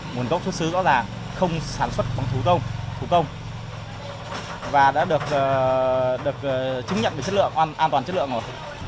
nguồn gốc xuất xứ rõ ràng không sản xuất bằng thủ công và đã được chứng nhận được chất lượng an toàn chất lượng rồi